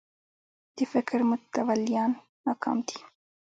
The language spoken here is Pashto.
د فکر متولیان ناکام دي